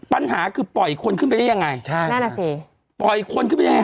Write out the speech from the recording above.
ปัญหาคือปล่อยคนขึ้นไปได้ยังไงใช่นั่นแหละสิปล่อยคนขึ้นไปยังไง